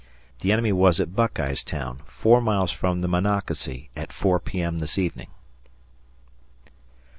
The enemy was at Buckeyestown, four miles from the Monocacy, at 4 P.M. this evening.